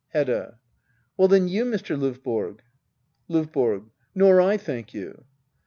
Hedda. Well then, you, Mr, Lovborg. LOVBORO. Nor I, thank you.